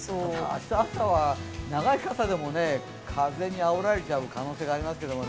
明日朝は、長い傘でも風にあおられちゃう可能性がありますけどね。